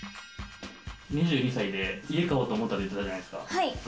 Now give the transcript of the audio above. ２２歳で家買おうと思ったと言ってたじゃないですか。